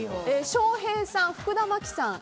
翔平さん、福田麻貴さん